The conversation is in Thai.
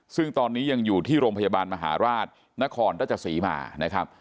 ซึ่งตอนนี้ยังอยู่ที่โรงพยาบาลมหาราชนครราชศรีมานะครับ